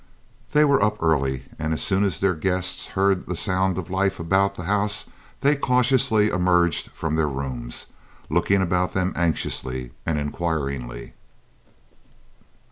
They were up early, and as soon as their guests heard sounds of life about the house they cautiously emerged from their rooms, looking about them anxiously and inquiringly.